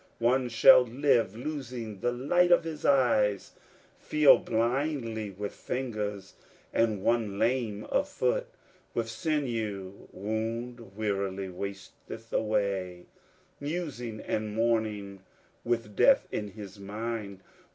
One shall live losing the light of his eyes, Feel blindly with fingers; and one, lame of foot, With sinew wound wearily wasteth away, Musing and mourning, with death in his mind.